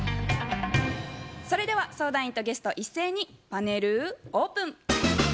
それでは相談員とゲスト一斉にパネルオープン。